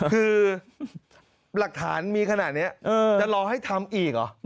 คือหลักฐานมีขนาดนี้จะรอให้ทำอีกเหรอ